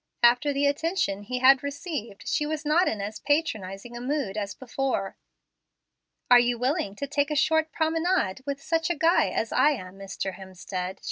After the attention he had received, she was not in as patronizing a mood as before. "Are you willing to take a short promenade with such a guy as I am, Mr. Hemstead?"